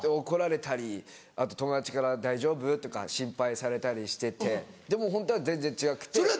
怒られたりあと友達から「大丈夫？」とか心配されたりしててでもホントは全然違くて。